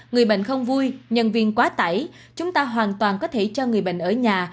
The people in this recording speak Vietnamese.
người bệnh không vui nhân viên quá tải chúng ta hoàn toàn có thể cho người bệnh ở nhà